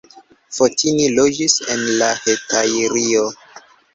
Fotini loĝis en la Hetajrio.